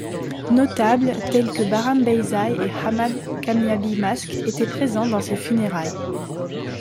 Notables tels que Bahram Beyzai et Ahmad Kamyabi Mask étaient présents dans ses funérailles.